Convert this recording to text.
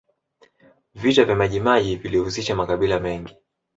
vita vya majimaji vilihusisha makabila mengi